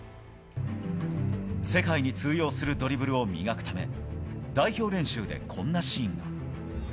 世界に通用するドリブルを磨くため代表練習で、こんなシーンが。